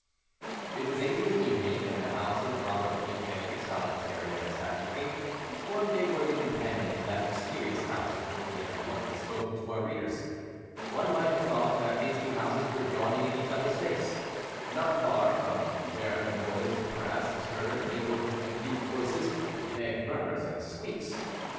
It was eight in the evening, and the house of Robert Briquet, solitary and sad looking, formed a worthy companion to that mysterious house of which we have already spoken to our readers. One might have thought that these two houses were yawning in each other's face. Not far from there the noise of brass was heard, mingled with confused voices, vague murmurs, and squeaks.